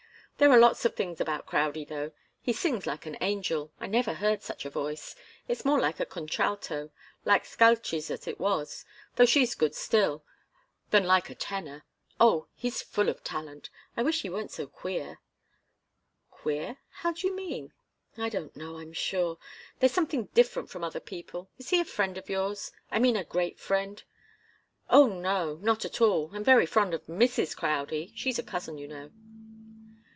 There are lots of things about Crowdie, though. He sings like an angel. I never heard such a voice. It's more like a contralto like Scalchi's as it was, though she's good still, than like a tenor. Oh, he's full of talent. I wish he weren't so queer!" "Queer? How do you mean?" "I don't know, I'm sure. There's something different from other people. Is he a friend of yours? I mean, a great friend?" "Oh, no not at all. I'm very fond of Mrs. Crowdie. She's a cousin, you know."